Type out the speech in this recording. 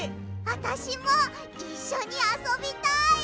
あたしもいっしょにあそびたい！